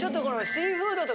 シーフードね。